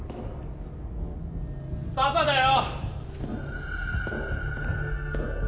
パパだよ！